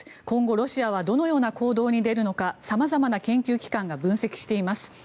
今後、ロシアはどのような行動に出るのか様々な研究機関が分析しています。